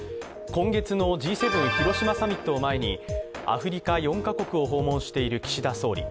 今月のＧ７広島サミットを前にアフリカ４か国を訪問している岸田総理。